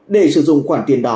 để sử dụng khoản tiền đó